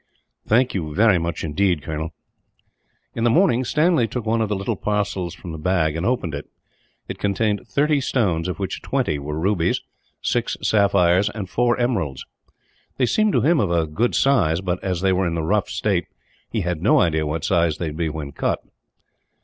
"Thank you very much, indeed, Colonel." In the morning, Stanley took one of the little parcels from the bag and opened it. It contained thirty stones, of which twenty were rubies, six sapphires, and four emeralds. They seemed to him of a good size but, as they were in the rough state, he had no idea what size they would be, when cut.